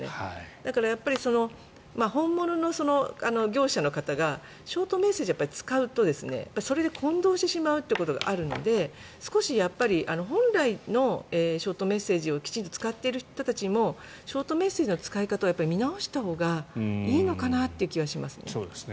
だから、本物の業者の方がショートメッセージを使うとそれで混同してしまうことがあるので少し本来のショートメッセージをきちんと使っている人たちもショートメッセージの使い方を見直したほうがいいのかなという気がしますね。